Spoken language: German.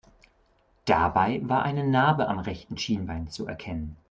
Dabei war eine Narbe am rechten Schienbein zu erkennen.